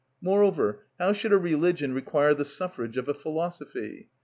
Moreover, how should a religion require the suffrage of a philosophy?